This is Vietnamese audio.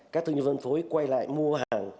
các thương nhân phân phối quay lại mua hàng